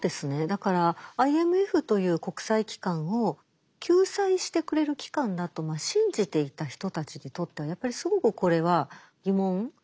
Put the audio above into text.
だからＩＭＦという国際機関を救済してくれる機関だと信じていた人たちにとってはやっぱりすごくこれは疑問。